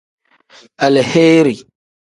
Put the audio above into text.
Aleheeri.